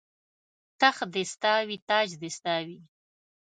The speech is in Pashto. تخت دې ستا وي تاج دې ستا وي